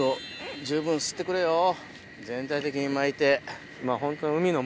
全体的にまいて。